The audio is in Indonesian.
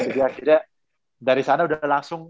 jadi akhirnya dari sana udah langsung